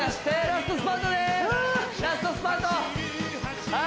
ラストスパート！